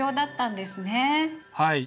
はい。